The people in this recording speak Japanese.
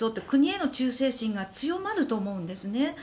国への忠誠心が強まると思うんですね。